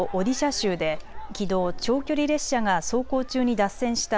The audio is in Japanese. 州できのう長距離列車が走行中に脱線した